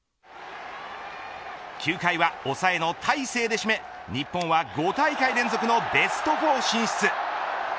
９回は抑えの大勢で締め日本は５大会連続のベスト４進出。